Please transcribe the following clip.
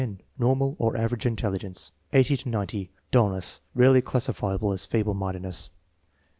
Normal, or average, intelligence. 80 90 .' Dullness, rarely classifiable as feeble mindedness.